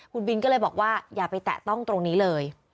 คุณบินก็เลยบอกว่าอย่าไปแตะต้องตรงนี้เลย